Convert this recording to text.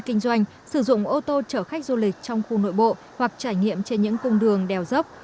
kinh doanh sử dụng ô tô chở khách du lịch trong khu nội bộ hoặc trải nghiệm trên những cung đường đèo dốc